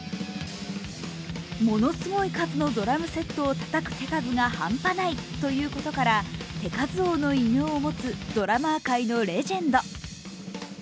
ものすごい数のドラムセットをたたく手数が半端ないということから手数王の異名を持つドラマー界のレジェンド。